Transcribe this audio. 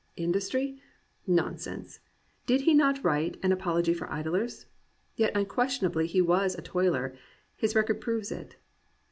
Industry? Nonsense! Did he not write An Apology for Idlers ? Yet unquestionably he was a toiler; his record proves it.